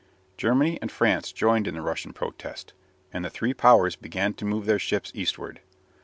Germany and France joined in the Russian protest, and the three Powers began to move their ships eastward.